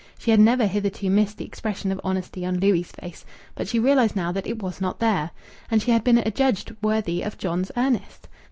She had never hitherto missed the expression of honesty on Louis' face, but she realized now that it was not there.... And she had been adjudged worthy of John's Ernest!